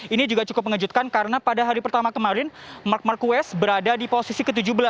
ini juga cukup mengejutkan karena pada hari pertama kemarin mark marquez berada di posisi ke tujuh belas